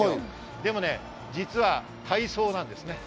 でもね、実は体操なんです。